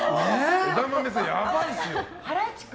枝豆さん、やばいですよ。